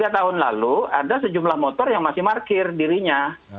tiga tahun lalu ada sejumlah motor yang masih parkir dirinya